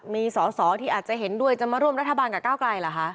มีสอสอที่อาจจะเห็นด้วยจะมาร่วมรัฐบาลกับก้าวไกลเหรอคะ